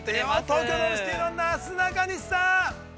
◆東京ドームシティのなすなかにしさん！